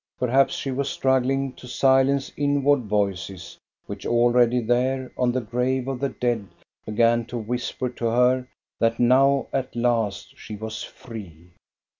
Perhaps she was struggling to silence inward voices which already there, on the grave of the dead, began to whisper to her that now at last she was free.